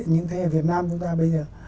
những thế hệ việt nam chúng ta bây giờ